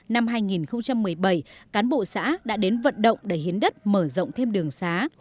năm hai nghìn một mươi bảy cán bộ xã đã đến vận động để hiến đất mở rộng thêm đường xá